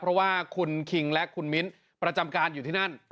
เพราะว่าคุณคิงและคุณมิ้นประจำการอยู่ที่นั่น